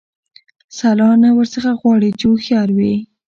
سلا نه ورڅخه غواړي چي هوښیار وي